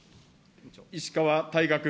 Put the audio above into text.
石川大我君。